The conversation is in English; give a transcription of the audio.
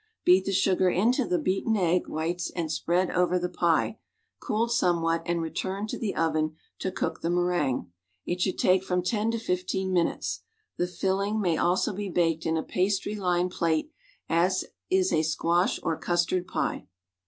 Beat the sugar into the beaten egg whites and spread over the pie, cooled somewhat, and return to the oven to cook the meringue. It should take from ten to fifteen minutes. The filling may also be baked in a pastry lined plate as is aisquash or custard pie.